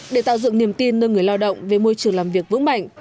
để tạo dựng niềm tin nâng người lao động về môi trường làm việc vững mạnh